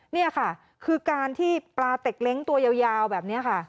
นี่ค่ะคือการที่ปลาเต็กเล้งตัวยาวแบบนี้ค่ะ